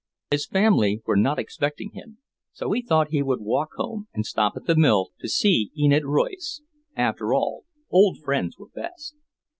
His family were not expecting him, so he thought he would walk home and stop at the mill to see Enid Royce. After all, old friends were best.